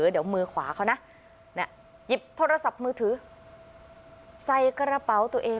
เดี๋ยวมือขวาเขานะหยิบโทรศัพท์มือถือใส่กระเป๋าตัวเอง